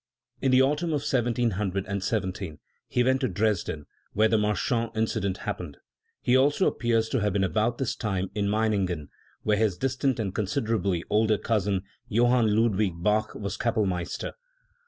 In the autumn of 1717 he went to Dresden, where the Marchand incident happened; he also appears to have been about this time in Meiningen, where his distant and con siderably older cousin Johann Ludwig Bach was Kapell meister.